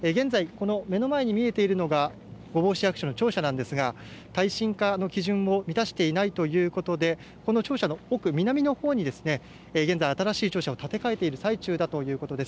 この目の前に見えているのが御坊市役所の庁舎なんですが耐震化の基準を満たしていないということで、この庁舎の奥南のほうに現在新しい庁舎を建て替えている最中だということです。